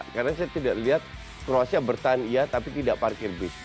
karena saya tidak lihat kroasia bertahan iya tapi tidak parkir bis